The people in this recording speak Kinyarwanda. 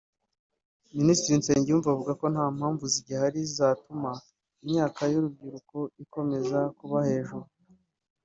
Minisitiri Nsengimana avuga ko nta mpamvu zigihari zatuma imyaka y’urubyiruko ikomeza kuba hejuru